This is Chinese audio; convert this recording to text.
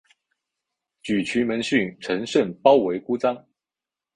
沮渠蒙逊乘胜包围姑臧。